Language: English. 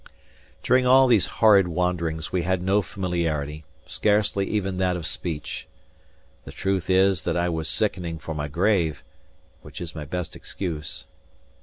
During all these horrid wanderings we had no familiarity, scarcely even that of speech. The truth is that I was sickening for my grave, which is my best excuse.